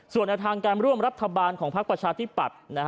ส่วนแนวทางการร่วมรัฐบาลของพักประชาธิปัตย์